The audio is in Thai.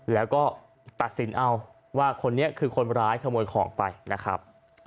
แล้วก็ตัดสินเอาว่าคนนี้คือคนร้ายขโมยของไปนะครับ